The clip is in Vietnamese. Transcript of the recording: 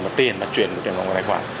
và tiền mà chuyển chuyển vào một tài khoản